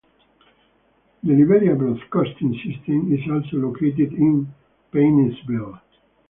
The Liberia Broadcasting System is also located in Paynesville.